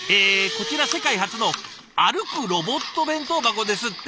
こちら世界初の歩くロボット弁当箱ですって。